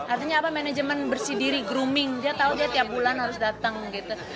artinya apa manajemen bersih diri grooming dia tahu dia tiap bulan harus datang gitu